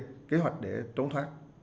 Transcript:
thế hoạch để trốn thoát